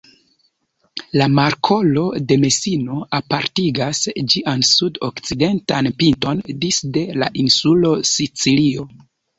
La markolo de Mesino apartigas ĝian sud-okcidentan pinton disde la insulo Sicilio.